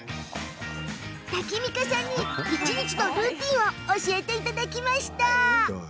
タキミカさんに一日のルーティーンを教えてもらいました。